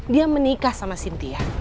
dia menikah sama cynthia